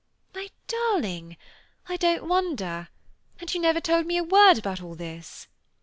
"My darling, I don't wonder, and you never told me a word about all this!"